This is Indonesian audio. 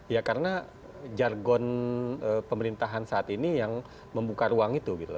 ya karena jargon pemerintahan saat ini yang membuka ruang itu gitu